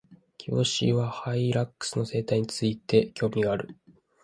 キボシイワハイラックスの生態について、興味がある。